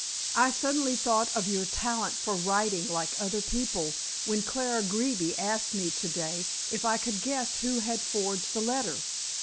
"I suddenly thought of your talent for writing like other people when Clara Greeby asked me to day if I could guess who had forged the letter.